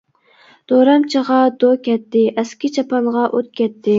دورامچىغا «دو» كەتتى، ئەسكى چاپانغا ئوت كەتتى.